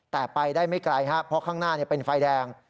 แต่ไปได้ไม่ไกลฮะเพราะข้างหน้าเนี่ยเป็นไฟแดง